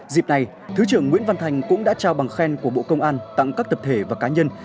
dịp này thứ trưởng nguyễn văn thành cũng đã trao bằng khen của bộ công an tặng các tập thể và cá nhân